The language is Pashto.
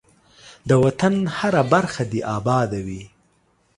ده وطن هره برخه دی اباده وی.